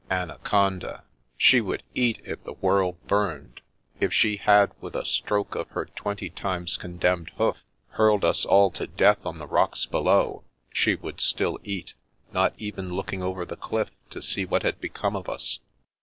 Anaconda! She would eat if the world burned. If she had, with a stroke of her twenty times condemned hoof, hurled us all to death on the rocks below, she would still eat, not even looking over the cliff to see what had become of us."